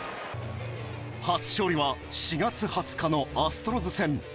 初勝利は４月２０日のアストロズ戦。